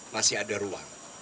masih ada ruang